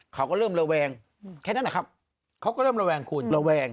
เขาก็เริ่มระแวงแค่นั้นแหละครับเขาก็เริ่มระแวงคุณระแวง